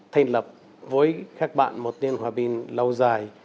thành lập với các bạn một tên hòa bình lâu dài